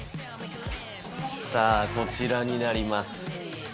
さあこちらになります。